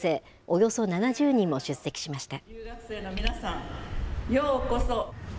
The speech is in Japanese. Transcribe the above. およそ７０人も出席しました。